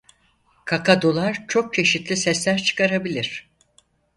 Kakadular çok çeşitli sesler çıkarabilir.